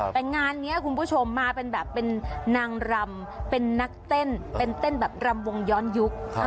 แต่งานนี้คุณผู้ชมมาเป็นแบบเป็นนางรำเป็นนักเต้นเป็นเต้นแบบรำวงย้อนยุค